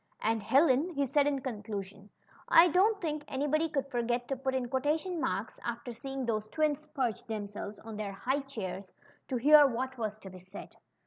^^Andj Helen/' he said in conclusion, don't think anybody 'could forget to put in quotation marks after seeing those twins perch themselves on their high chairs to hear what was to be said.